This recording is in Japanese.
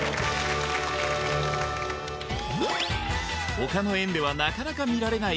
他の園ではなかなか見られない